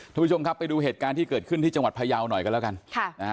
ทุกผู้ชมครับไปดูเหตุการณ์ที่เกิดขึ้นที่จังหวัดพยาวหน่อยกันแล้วกันค่ะนะฮะ